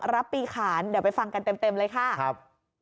รับปีขานเดี๋ยวไปฟังกันเต็มเลยค่ะครับ